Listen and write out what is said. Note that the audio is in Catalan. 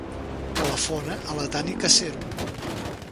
Telefona a la Tanit Acero.